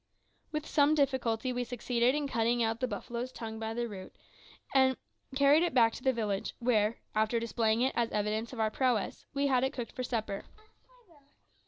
With some difficulty we succeeded in cutting out the buffalo's tongue by the root, and carried it back to the village, where, after displaying it as an evidence of our prowess, we had it cooked for supper.